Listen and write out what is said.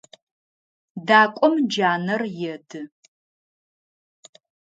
Дакӏом джанэр еды.